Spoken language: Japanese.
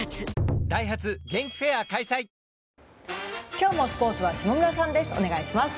今日もスポーツは下村さんです。